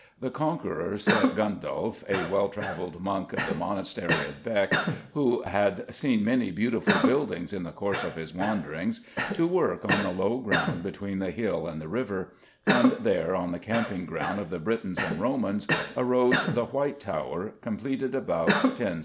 The Conqueror set Gundulf, a well travelled monk of the monastery of Bec, who had seen many beautiful buildings in the course of his wanderings, to work on the low ground between the hill and the river, and there, on the camping ground of the Britons and the Romans, arose the White Tower, completed about 1078.